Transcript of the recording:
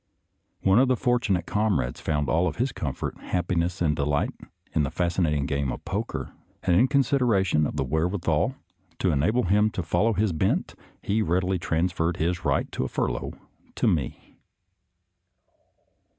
One of the fortunate com rades found all of his comfort, happiness, and delight in the fascinating game of poker, and, in consideration of the wherewithal to enable him to follow his bent, he readily transferred his right to a furlough to me.